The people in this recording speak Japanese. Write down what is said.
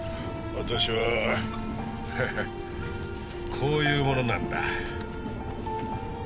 私はこういう者なんだ。